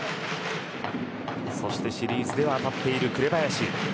そしてシリーズでは当たっている紅林。